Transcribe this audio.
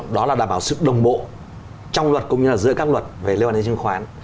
đó là đảm bảo sự đồng bộ trong luật cũng như là giữa các luật về liên quan đến chứng khoán